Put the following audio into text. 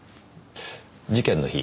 事件の日